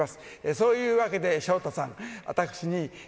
そういうわけで、昇太さん、嫌だよ。